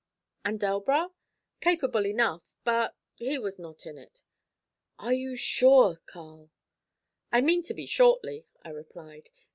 'And Delbras?' 'Capable enough, but he was not in it.' 'Are you sure, Carl?' 'I mean to be, shortly,' I replied.